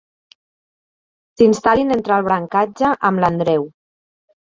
S'instal·lin entre el brancatge amb l'Andreu.